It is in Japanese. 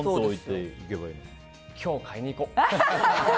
今日、買いに行こう！